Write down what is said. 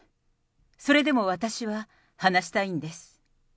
それでも私は話したいんです。